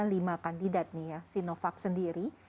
lima kandidat nih ya sinovac sendiri